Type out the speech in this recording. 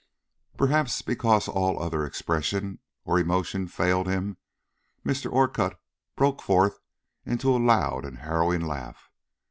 Perhaps because all other expression or emotion failed him, Mr. Orcutt broke forth into a loud and harrowing laugh.